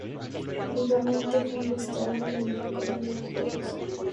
Igualmente, fue investido Conde de Burdeos.